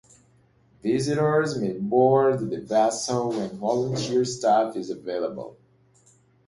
Visitors may board the vessel when volunteer staff is available.